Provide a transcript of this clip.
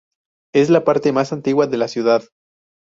Es la parte más antigua de la ciudad.